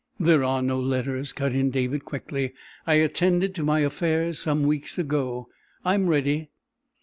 "There are no letters," cut in David quickly. "I attended to my affairs some weeks ago. I am ready."